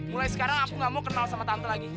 mulai sekarang aku gak mau kenal sama tante lagi